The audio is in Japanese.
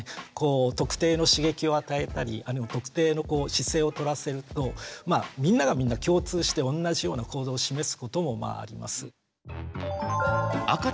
特定の刺激を与えたり特定の姿勢をとらせるとみんながみんな共通して同じような行動を示すこともまああります。